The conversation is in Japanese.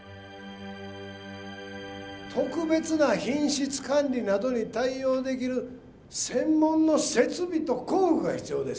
特別な品質管理などに対応できる専門の設備と工具が必要です。